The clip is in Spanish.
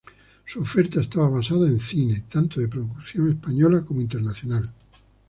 Su oferta estaba basada en cine, tanto de producción española como internacional.